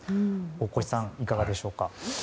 大越さん、いかがでしょうか。